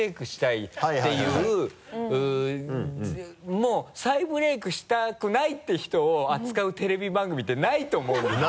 もう再ブレイクしたくないって人を扱うテレビ番組ってないと思うんですよ。